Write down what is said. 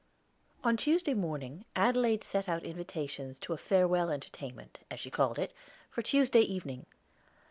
On Tuesday morning Adelaide sent out invitations to a farewell entertainment, as she called it, for Tuesday evening.